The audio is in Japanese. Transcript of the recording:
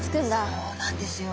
そうなんですよ。